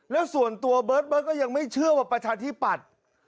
แล้วส่วนตัวเบิร์ตก็ยังไม่เชื่อว่าประชาธิปัตย์